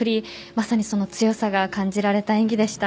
まさにその強さが感じられた演技でした。